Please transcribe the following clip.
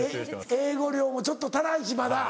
英語量もちょっと足らんしまだ。